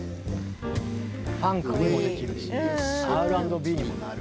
ファンクにもできるしＲ＆Ｂにもなる。